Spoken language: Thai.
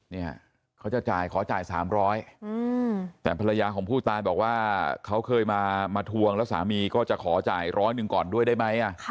เนี่ยเขาจะจ่ายขอจ่าย๓๐๐แต่ภรรยาของผู้ตายบอกว่าเขาเคยมาทวงแล้วสามีก็จะขอจ่ายร้อยหนึ่งก่อนด้วยได้ไหม